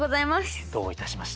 どういたしまして。